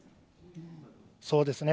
そうですね。